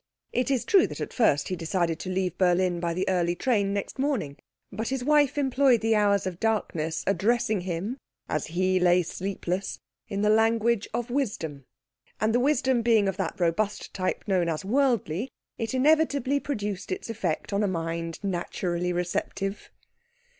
It is true that at first he decided to leave Berlin by the early train next morning; but his wife employed the hours of darkness addressing him, as he lay sleepless, in the language of wisdom; and the wisdom being of that robust type known as worldly, it inevitably produced its effect on a mind naturally receptive.